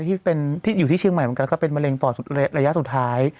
ที่อยู่ที่เชียงใหม่เหมือนกันก็เป็นมะเร็งปอดระยะสุดท้าย